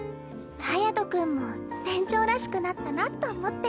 隼君も店長らしくなったなと思って。